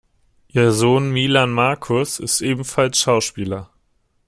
Ihr Sohn, Milan Marcus, ist ebenfalls Schauspieler.